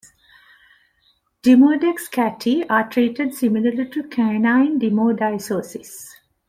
"Demodex cati" are treated similarly to canine demodicosis.